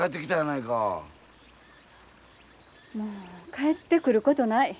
もう帰ってくることない。